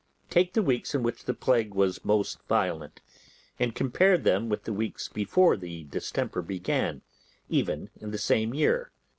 Take the weeks in which the plague was most violent, and compare them with the weeks before the distemper began, even in the same year.